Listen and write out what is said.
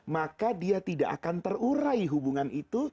maka dia tidak akan terurai hubungan itu